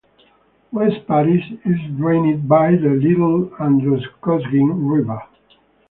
West Paris is drained by the Little Androscoggin River.